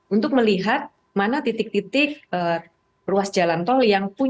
untuk melihat mana titik titik ruas jalan tol yang punya perlengkapan yang lebih tinggi